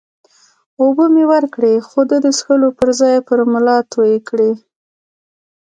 اوبه مې ورکړې، خو ده د څښلو پر ځای پر ملا توی کړې.